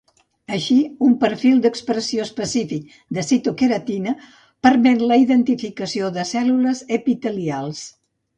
Així, un perfil d'expressió específic de citoqueratina permet la identificació de cèl·lules epitelials.